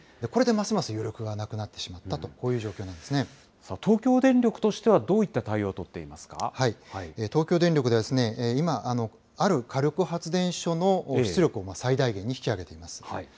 これでますます余力がなくなってしまったと、こういう状況な東京電力としては、どういっ東京電力では、今ある火力発電所の出力を最大限に引き上げています。